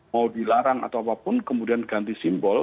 mau dilarang atau apapun kemudian ganti simbol